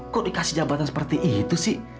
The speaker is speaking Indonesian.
kok dikasih jabatan seperti itu sih